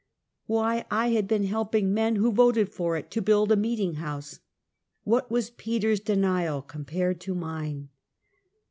why I had been helping men who voted for it to build a meeting house! What was Peter's denial com pared to mine?